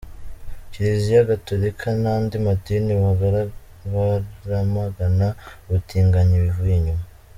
Kiliziya Gatolika n’andi madini baramagana ubutinganyi bivuye inyuma.